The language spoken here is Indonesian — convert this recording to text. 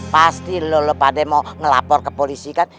pasti lolo padahal mau ngelapor ke polisi kan